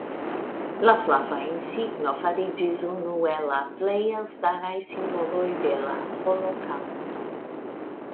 La flava insigno fariĝis unu el la plej elstaraj simboloj de la holokaŭsto.